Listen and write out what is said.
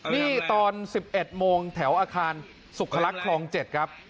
นี่ตอน๑๑โมงแถวอาคารสุขลักษณ์คลอง๗ครับ